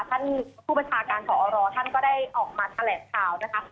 ท่านผู้บัญชาการสอรท่านก็ได้ออกมาแถลงข่าวนะคะ